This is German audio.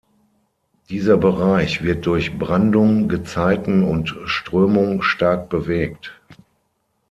Dieser Bereich wird durch Brandung, Gezeiten und Strömung stark bewegt.